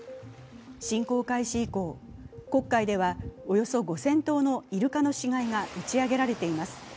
侵攻開始以降、黒海ではおよそ５０００頭のいるかの死骸が打ち上げられています。